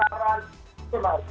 itu harus dihukum